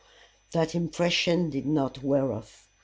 That impression did not wear off.